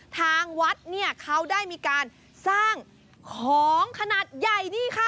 ทางวัดเนี่ยเขาได้มีการสร้างของขนาดใหญ่นี่ค่ะ